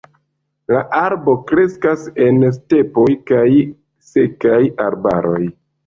La arbo kreskas en stepoj kaj sekaj arbaroj.